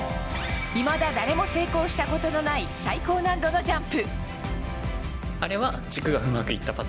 いまだ誰も成功したことのない最高難度のジャンプ。